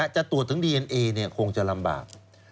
จะตรวจถึงดีเอ็นเอคงจะลำบาก